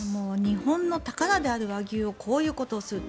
日本の宝である和牛をこういうことをするって